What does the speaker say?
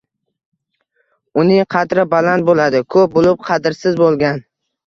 Uning qadri baland bo’ladi. Ko’p bo’lib qadrsiz bo’lgan